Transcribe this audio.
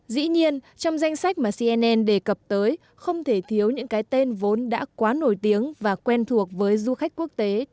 dĩ nhiên trong danh sách mà cnn đề cập tới không thể thiếu những cái tên vốn đã quá nổi tiếng và quen thuộc với du khách quốc tế